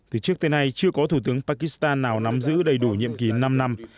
từ trước tới nay chưa có thủ tướng pakistan nào nắm giữ đầy đủ nhiệm kỳ năm năm